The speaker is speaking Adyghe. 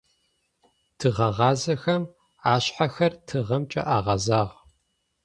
Тыгъэгъазэхэм ашъхьэхэр тыгъэмкӀэ агъэзагъ.